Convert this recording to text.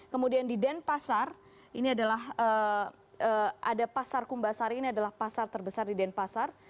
kemudian di denpasar ini adalah ada pasar kumbasari ini adalah pasar terbesar di denpasar